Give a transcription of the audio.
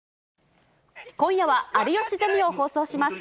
今夜は、有吉ゼミを放送します。